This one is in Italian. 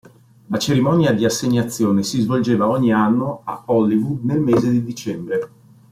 La cerimonia di assegnazione si svolgeva ogni anno a Hollywood nel mese di dicembre.